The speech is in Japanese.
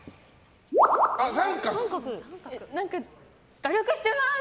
努力してます！